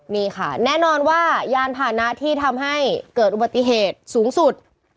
นี่ค่ะแน่นอนว่ายานผ่านนะที่ทำให้เกิดอุบัติเหตุสูงสุด